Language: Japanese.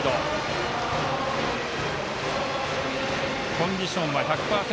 コンディションは１００％